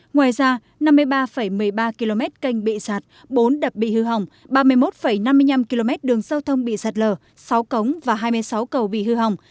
ngoài ra năm mươi ba một mươi ba km canh bị sạt bốn đập bị hư hỏng ba mươi một năm mươi năm km đường giao thông bị sạt lở sáu cống và hai mươi sáu cầu bị hư hỏng